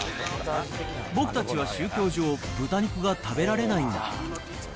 僕たちは宗教上、豚肉が食べられないんだ。